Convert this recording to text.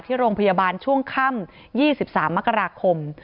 ที่โรงพยาบาลช่วงค่ำ๒๓มกราคม